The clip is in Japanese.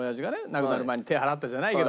亡くなる前に手払ったじゃないけど。